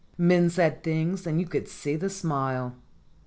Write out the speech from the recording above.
Men said things and you could see the smile.